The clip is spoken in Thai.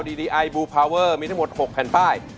ดีดีไอบูพาเวอร์มีทั้งหมด๖แผ่นป้าย